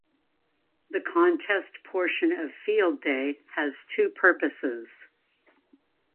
The contest portion of Field Day has two purposes.